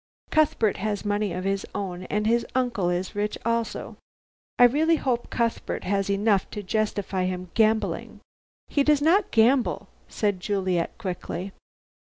Cuthbert has money of his own, and his uncle is rich also." "I really hope Cuthbert has enough to justify him gambling." "He does not gamble," said Juliet quickly.